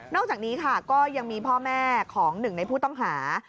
อกจากนี้ค่ะก็ยังมีพ่อแม่ของหนึ่งในผู้ต้องหา